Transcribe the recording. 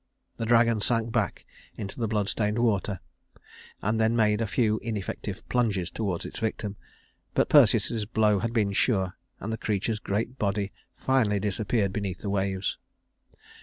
The dragon sank back into the blood stained water, and then made a few ineffective plunges toward its victim; but Perseus's blow had been sure, and the creature's great body finally disappeared beneath the waves.